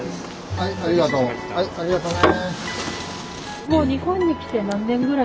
はいありがとね。